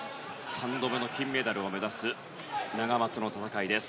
３度目の金メダルを目指すナガマツの戦いです。